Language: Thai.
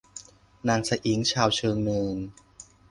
นางสะอิ้งชาวเชิงเนิน